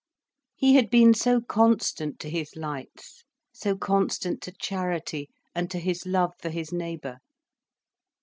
He had been so constant to his lights, so constant to charity, and to his love for his neighbour.